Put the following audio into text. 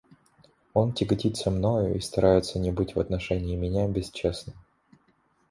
Он тяготится мною и старается не быть в отношении меня бесчестным.